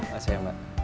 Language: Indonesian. masih ya mbak